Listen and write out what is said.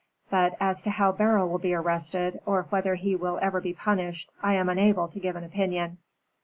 But as to how Beryl will be arrested, or whether he will ever be punished, I am unable to give an opinion."